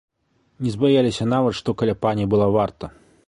Не збаяліся нават, што каля пані была варта.